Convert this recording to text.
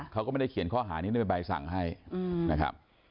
เขาก็ไม่ได้เขียนข้อหานี้ในใบสั่งให้นะครับ